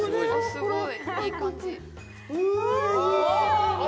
・すごい！